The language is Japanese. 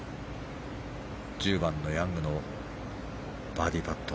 １０番のヤングのバーディーパット。